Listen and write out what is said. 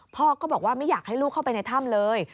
พ่อก็บอกว่าไม่อยากให้ลูกเข้าไปในถ้ำเลย